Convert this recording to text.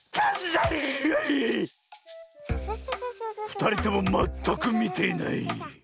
ふたりともまったくみていない。